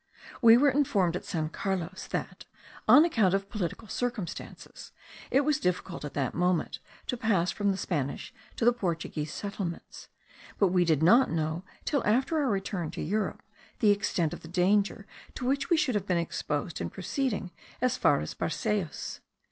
We were informed at San Carlos that, on account of political circumstances, it was difficult at that moment to pass from the Spanish to the Portuguese settlements; but we did not know till after our return to Europe the extent of the danger to which we should have been exposed in proceeding as far as Barcellos.